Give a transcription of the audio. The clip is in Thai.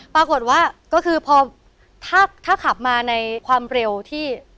ปรากฏว่าก็คือพอถ้าขับมาในความเร็วที่